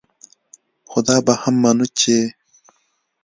خو دا به هم منو چې